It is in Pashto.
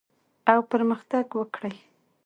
او پرمختګ وکړي